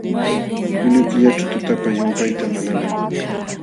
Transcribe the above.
Julio killaćhu tutapa llumpaytam alalan.